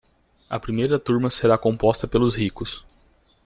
A primeira turma será composta pelos ricos.